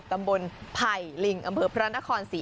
ตำบลไผ่ลิงอำเภอพระนครศรี